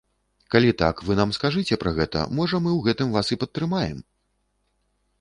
Калі так, вы нам скажыце пра гэта, можа, мы ў гэтым вас і падтрымаем.